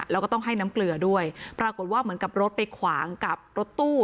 แล้วก็ต้องให้น้ำเกลือด้วยปรากฏว่าเหมือนกับรถไปขวางกับรถตู้